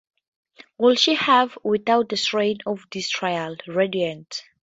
Would she have, without the strain of this trial, radiance?